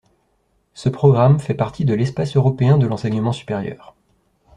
Ce programme fait partie de l'Espace européen de l'enseignement supérieur.